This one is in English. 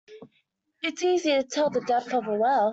It's easy to tell the depth of a well.